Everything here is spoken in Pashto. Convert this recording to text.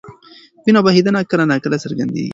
وینه بهېدنه کله ناکله څرګندېږي.